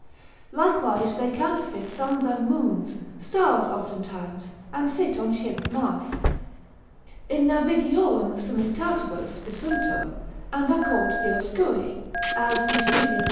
likewise they counterfeit suns and moons, stars oftentimes, and sit on ship masts: In navigiorum summitatibus visuntur; and are called dioscuri, as Eusebius l.